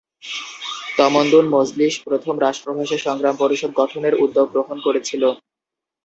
তমদ্দুন মজলিস প্রথম রাষ্ট্রভাষা সংগ্রাম পরিষদ গঠনের উদ্যোগ গ্রহণ করেছিল।